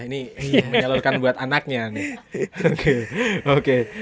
ini menyalurkan buat anaknya nih